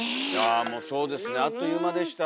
あもうそうですねあっという間でした。